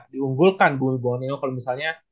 diunggulkan bomi boneo kalo misalnya